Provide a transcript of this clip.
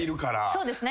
そうですね。